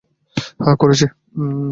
হ্যাঁ, করেছি!